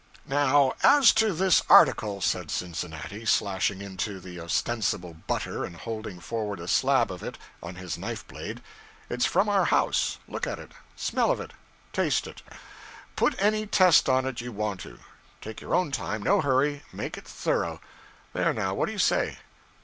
'Now as to this article,' said Cincinnati, slashing into the ostensible butter and holding forward a slab of it on his knife blade, 'it's from our house; look at it smell of it taste it. Put any test on it you want to. Take your own time no hurry make it thorough. There now what do you say?